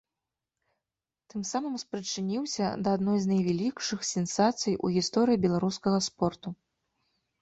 Тым самым спрычыніўся да адной з найвялікшых сенсацый у гісторыі беларускага спорту.